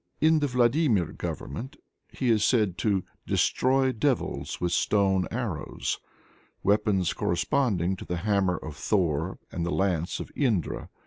In the Vladimir Government he is said "to destroy devils with stone arrows," weapons corresponding to the hammer of Thor and the lance of Indra.